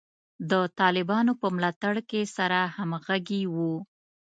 د طالبانو په ملاتړ کې سره همغږي وو.